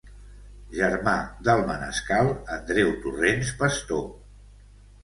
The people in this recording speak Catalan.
Germà del manescal Andreu Torrens Pastor.